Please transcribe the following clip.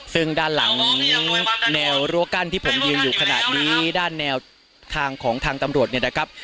ซึ่งด้านหลังแนวรั้วกั้นที่ผมยืนอยู่ขนาดนี้ด้านแนวทางของทางตำรวจเนี่ยนะครับ